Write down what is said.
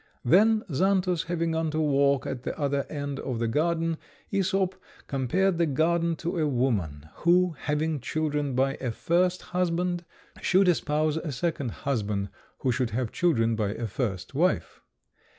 Then, Xantus having gone to walk at the other end of the garden, Æsop compared the garden to a woman who, having children by a first husband, should espouse a second husband who should have children by a first wife.